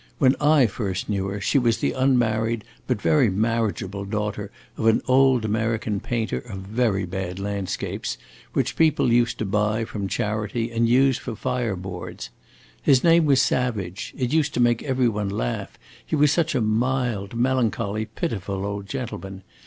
When I first knew her she was the unmarried but very marriageable daughter of an old American painter of very bad landscapes, which people used to buy from charity and use for fire boards. His name was Savage; it used to make every one laugh, he was such a mild, melancholy, pitiful old gentleman.